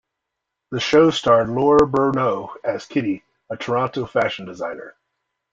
The show starred Laura Bruneau as Kitty, a Toronto fashion designer.